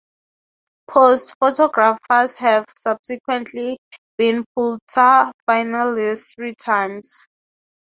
"Post" photographers have subsequently been Pulitzer finalists three times.